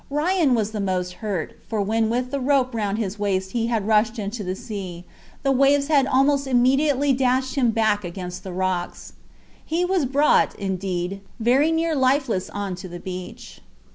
Ryan was the most hurt, for when with the rope round his waist he had rushed into the sea, the waves had almost immediately dashed him back against the rocks. He was brought, indeed, very nearly lifeless on to the beach.